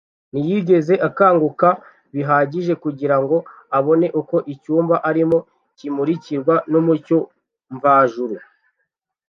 Ntiyigeze akanguka bihagije kugira ngo abone uko icyumba arimo kimurikirwa n’umucyo mvajuru